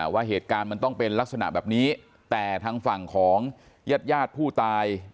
ว่าเหตุการณ์มันต้องเป็นลักษณะแบบนี้แต่ทางฝั่งของญาติญาติผู้ตาย